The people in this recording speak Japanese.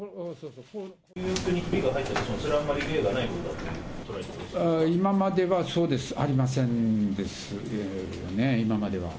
入浴中にひびが入ったことは、それはあんまり例がないことだと今まではそうです、ありませんですよね、今までは。